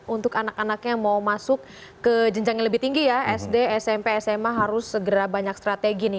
untuk anak anaknya yang mau masuk ke jenjang yang lebih tinggi ya sd smp sma harus segera banyak strategi nih